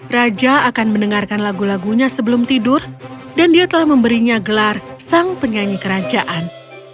raja akan mendengarkan lagu lagunya sebelum tidur dan dia telah memberinya gelar sang penyanyi kerajaan